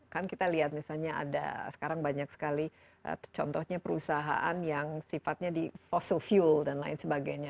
kan kita lihat misalnya ada sekarang banyak sekali contohnya perusahaan yang sifatnya di fossil fuel dan lain sebagainya